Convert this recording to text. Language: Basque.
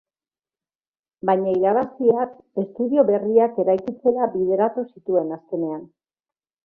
Baina irabaziak estudio berriak eraikitzera bideratu zituen azkenean.